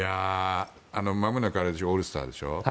まもなくオールスターでしょ。